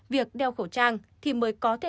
việc đeo khẩu trang thì mới có thể